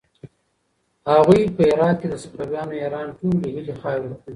هغوی په هرات کې د صفوي ایران ټولې هيلې خاورې کړې.